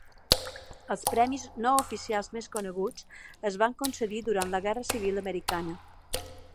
Els premis no oficials més coneguts es van concedir durant la Guerra Civil Americana.